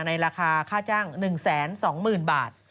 ราคาค่าจ้าง๑๒๐๐๐บาท